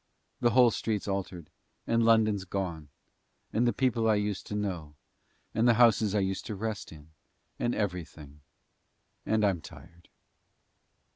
The whole street's altered and London's gone and the people I used to know and the houses I used to rest in, and everything; and I'm tired."